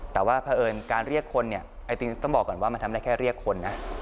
แต่ว่าเพราะเอิญการเรียกคนเนี่ยจริงต้องบอกก่อนว่ามันทำได้แค่เรียกคนนะ